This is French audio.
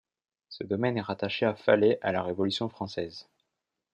Ce domaine est rattaché à Fallais à la Révolution française.